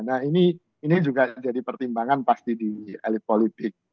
nah ini juga jadi pertimbangan pasti di elit politik